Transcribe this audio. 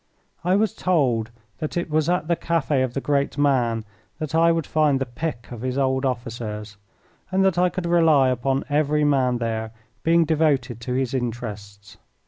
I was told that it was at the cafe of the Great Man that I would find the pick of his old officers, and that I could rely upon every man there being devoted to his interests.